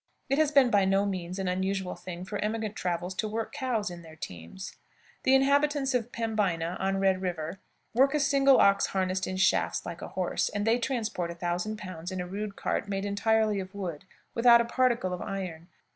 It has been by no means an unusual thing for emigrant travelers to work cows in their teams. The inhabitants of Pembina, on Red River, work a single ox harnessed in shafts like a horse, and they transport a thousand pounds in a rude cart made entirely of wood, without a particle of iron.